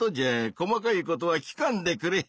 細かいことは聞かんでくれ。